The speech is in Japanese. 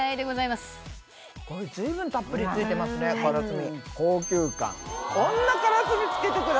随分たっぷり付いてますねからすみ。